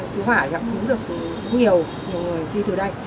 thiếu hỏa thì cũng được nhiều người đi từ đây